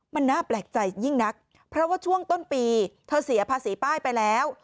มันน่าแปลกใจยิ่งนักเพราะว่าช่วงต้นปีเธอเสียภาษีป้ายไปแล้ว